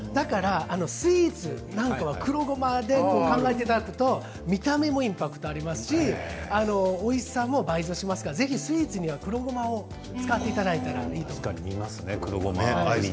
スイーツは黒ごまで考えていただくと見た目もインパクトがありますしおいしさも倍増しますからぜひスイーツには黒ごまを使っていただいたらいいと思います。